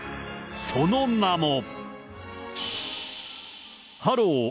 その名も。